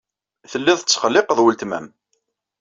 Tellid tettqelliqed weltma-m.